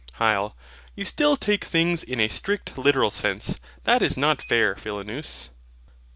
HYL. You still take things in a strict literal sense. That is not fair, Philonous.